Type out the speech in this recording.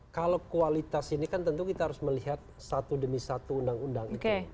kalau kualitas ini kan tentu kita harus melihat satu demi satu undang undang